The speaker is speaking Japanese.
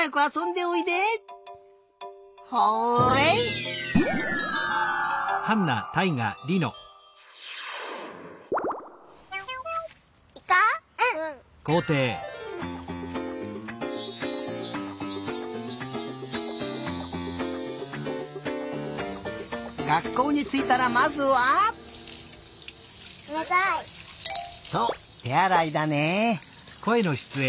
そうてあらいだね。